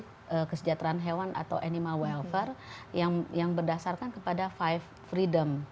untuk kesejahteraan hewan atau animal welfare yang berdasarkan kepada lima freedom